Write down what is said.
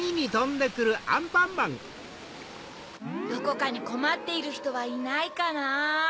どこかにこまっているひとはいないかな。